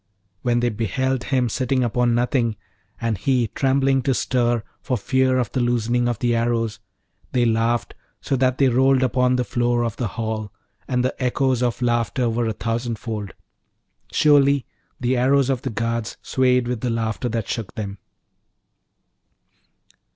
When they beheld him sitting upon nothing, and he trembling to stir for fear of the loosening of the arrows, they laughed so that they rolled upon the floor of the hall, and the echoes of laughter were a thousand fold. Surely the arrows of the guards swayed with the laughter that shook them.